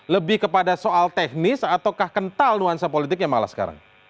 lebih kepada soal teknis ataukah kental nuansa politiknya malah sekarang